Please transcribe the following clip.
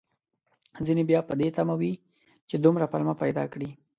ځينې بيا په دې تمه وي، چې دومره پلمه پيدا کړي